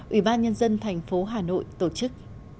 ủy ban nhân dân thành phố hà nội tổ chức